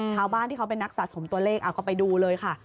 ชาวบ้านที่เขาเป็นนักสะสมตัวเลขเอาก็ไปดูเลยค่ะ